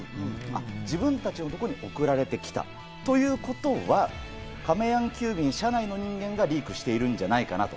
自分たちの所に送られてきたということは、亀やん急便社内の人間がリークしているんじゃないかなと。